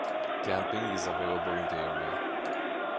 Camping is available in the area.